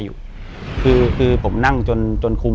อยู่ที่แม่ศรีวิรัยิลครับ